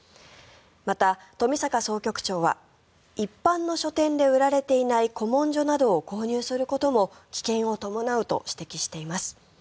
また、冨坂総局長は一般の書店で売られていない古文書などを購入することも危険を伴うと指摘しています。